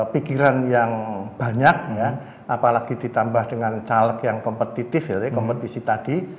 pikiran yang banyak apalagi ditambah dengan caleg yang kompetitif ya kompetisi tadi